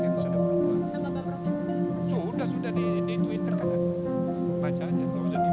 yang sudah selesai ya saya di